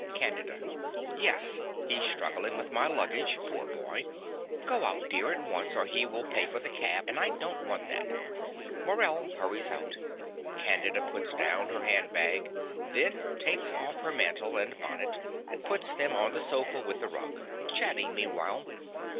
CANDIDA. Yes: he's struggling with my luggage, poor boy. Go out, dear, at once; or he will pay for the cab; and I don't want that. (Morell hurries out. Candida puts down her handbag; then takes off her mantle and bonnet and puts them on the sofa with the rug, chatting meanwhile.)